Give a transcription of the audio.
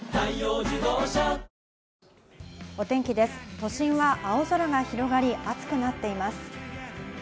都心は青空が広がり暑くなっています。